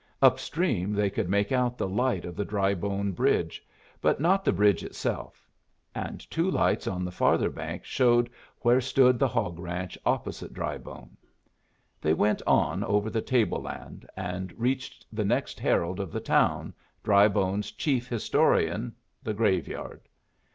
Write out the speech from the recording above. Upstream they could make out the light of the Drybone bridge, but not the bridge itself; and two lights on the farther bank showed where stood the hog ranch opposite Drybone. They went on over the table land and reached the next herald of the town, Drybone's chief historian, the graveyard.